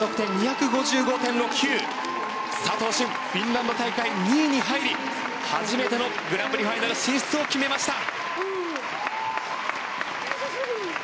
フィンランド大会２位に入り初めてのグランプリファイナル進出を決めました。